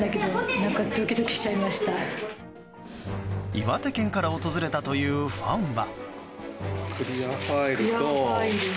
岩手県から訪れたというファンは。